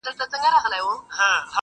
مخ يې واړاوه يو ځل د قاضي لور ته.!